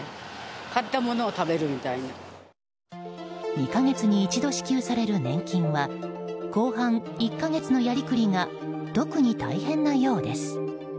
２か月に一度支給される年金は後半１か月のやり繰りが特に大変なようです。